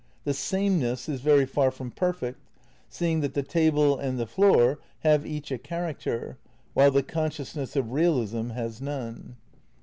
The sameness is very far from perfect, seeing that the table and the floor have each a character, while the consciousness of real ism has none.